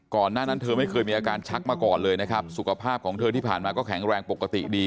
หน้านั้นเธอไม่เคยมีอาการชักมาก่อนเลยนะครับสุขภาพของเธอที่ผ่านมาก็แข็งแรงปกติดี